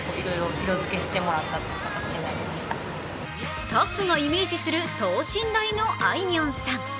スタッフがイメージする等身大のあいみょんさん。